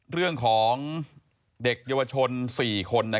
เรื่องของเด็กเยาวชน๔คน